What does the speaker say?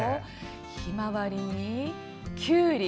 ひまわりに、きゅうり。